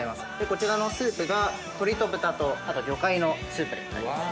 こちらのスープが鶏と豚とあと魚介のスープになります。